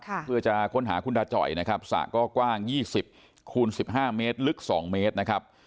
เพื่อจะค้นหาคุณตาจ่อยนะครับสระก็กว้าง๒๐คูณสิบห้าเมตรลึก๒เมตรนะครับ